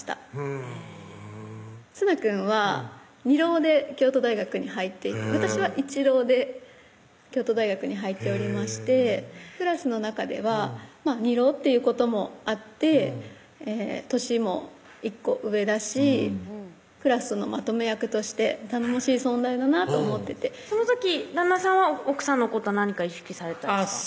ふんつなくんは２浪で京都大学に入って私は１浪で京都大学に入っておりましてクラスの中では２浪っていうこともあって歳も１個上だしクラスのまとめ役として頼もしい存在だなと思っててその時旦那さんは奥さんのこと何か意識されてたんですか？